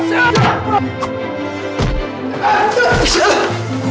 tidak kau inggir kau bangun